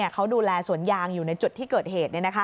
เขาดูแลสวนยางอยู่ในจุดที่เกิดเหตุ